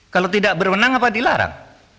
kalau tidak berwenang apa dilarang